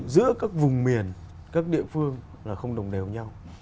giữa các vùng miền các địa phương là không đồng đều nhau